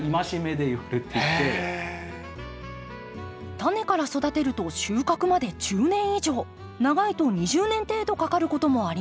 タネから育てると収穫まで１０年以上長いと２０年程度かかることもあります。